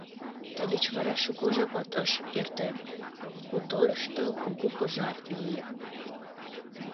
Тылеч вара шуко жапат ыш эрте, хуторышто кугу пожар лие.